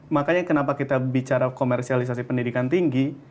makanya kenapa kita bicara komersialisasi pendidikan tinggi